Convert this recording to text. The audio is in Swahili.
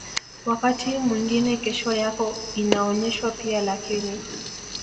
wakati mwingine kesho yako inaonyeshwa pia Lakini